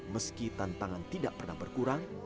meski tantangan tidak pernah berkurang